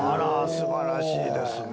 素晴らしいですね。